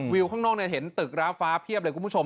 ข้างนอกเห็นตึกร้าฟ้าเพียบเลยคุณผู้ชม